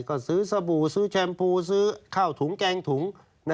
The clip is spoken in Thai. ก็ซื้อสบู่ซื้อแชมพูซื้อข้าวถุงแกงถุง